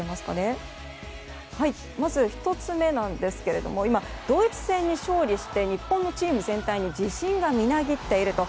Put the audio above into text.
まず１つ目なんですがドイツ戦に勝利して日本のチーム全体に自信がみなぎっていると。